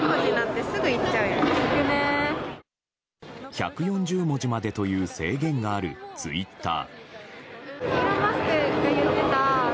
１４０文字までという制限があるツイッター。